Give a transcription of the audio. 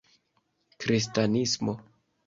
kristanismo